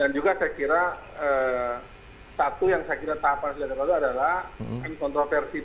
dan juga saya kira satu yang saya kira tahapannya adalah kontroversi perkembangan